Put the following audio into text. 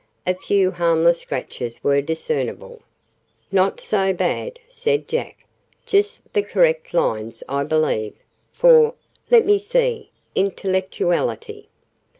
A few harmless scratches were discernible. "Not so bad," said Jack. "Just the correct lines, I believe, for let me see intellectuality."